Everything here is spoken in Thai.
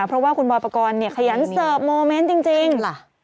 เพราะว่าคุณบอยปกรณ์เนี่ยขยันเสิร์ฟโมเมนต์จริงล่ะ